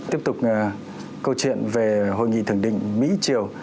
tiếp tục câu chuyện về hội nghị thượng đỉnh mỹ triều